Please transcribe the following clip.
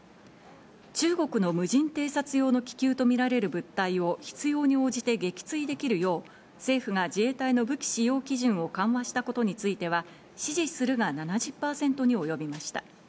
中国の無人偵察用の気球と見られる物体を必要に応じて撃墜できるよう、政府が自衛隊の武器使用基準を緩和したことについては、支持するが７０％に及びました。